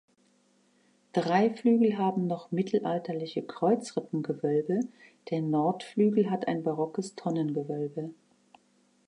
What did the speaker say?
Drei Flügel haben noch mittelalterliche Kreuzrippengewölbe, der Nordflügel hat ein barockes Tonnengewölbe.